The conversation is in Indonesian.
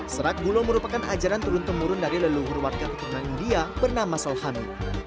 serak gulo merupakan ajaran turun temurun dari leluhur warga keturunan india bernama solhami